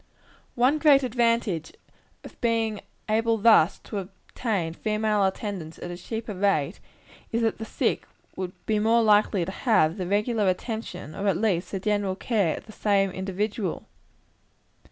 One great advantage of being able thus to obtain female attendants at a cheaper rate, is that the sick would be more likely to have the regular attention, or at least, the general care, of the same individual.